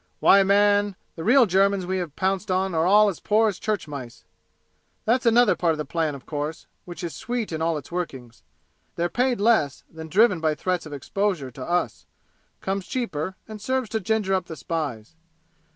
Why, man, the real Germans we have pounced on are all as poor as church mice. That's another part of the plan, of course, which is sweet in all its workings. They're paid less than driven by threats of exposure to us comes cheaper, and serves to ginger up the spies!